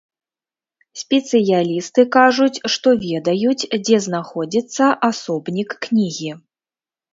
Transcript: Спецыялісты кажуць, што ведаюць, дзе знаходзіцца асобнік кнігі.